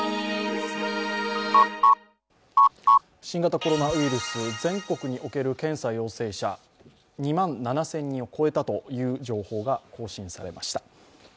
新型コロナウイルス全国における検査陽性者２万７０００人を超えたという情報が更新されました。